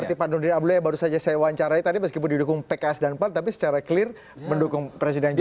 seperti pak nurdin abdul yang baru saja saya wawancarai tadi meskipun didukung pks dan pan tapi secara clear mendukung presiden jokowi